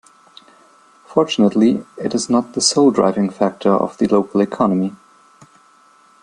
Fortunately its not the sole driving factor of the local economy.